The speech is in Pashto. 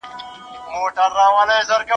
محیط مو د روغتیا لپاره پاک وساتئ.